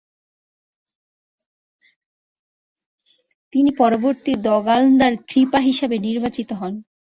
তিনি পরবর্তী দ্গা'-ল্দান-খ্রি-পা হিসেবে নির্বাচিত হন।